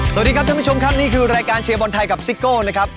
สวัสดีครับท่านผู้ชมครับนี่คือรายการเชียร์บอลไทยกับซิโก้นะครับ